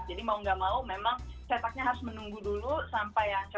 jadi mau nggak mau memang cataknya harus menunggu dulu sampai yang ceritanya